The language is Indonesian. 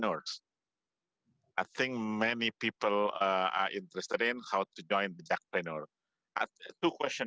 saya pikir banyak orang tertarik dengan cara untuk bergabung dengan jakartan